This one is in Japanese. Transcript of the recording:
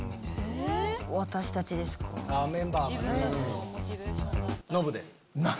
私たちですか？